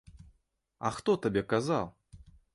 А хто табе казаў?